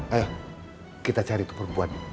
ayo kita cari tuh perempuan